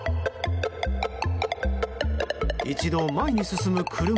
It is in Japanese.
一度、前に進む車。